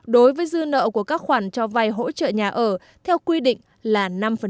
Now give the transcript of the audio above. đối với dư nợ của các khoản cho vay hỗ trợ nhà ở theo quy định là năm